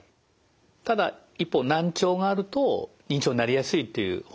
ただ一方難聴があると認知症になりやすいという報告があるんですよ。